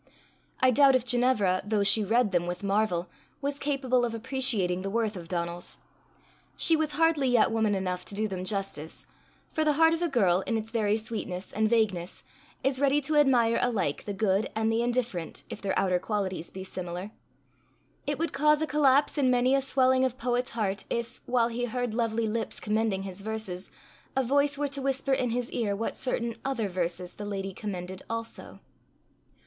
I doubt if Ginevra, though she read them with marvel, was capable of appreciating the worth of Donal's. She was hardly yet woman enough to do them justice; for the heart of a girl, in its very sweetness and vagueness, is ready to admire alike the good and the indifferent, if their outer qualities be similar. It would cause a collapse in many a swelling of poet's heart if, while he heard lovely lips commending his verses, a voice were to whisper in his ear what certain other verses the lady commended also.